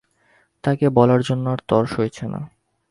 তাকে বলার জন্য আর তর সইছে না!